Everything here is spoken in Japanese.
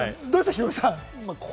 ヒロミさん。